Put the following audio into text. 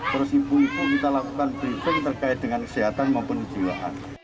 terus ibu ibu kita lakukan briefing terkait dengan kesehatan maupun kejiwaan